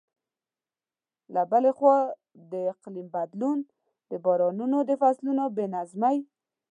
له بلې خوا، د اقلیم بدلون د بارانونو د فصلونو بې نظمۍ.